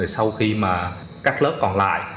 sau khi mà các lớp còn lại